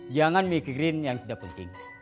jangan mikirin yang tidak penting